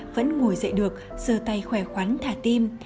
vẫn ngồi dậy được sờ tay khoẻ khoắn thả tim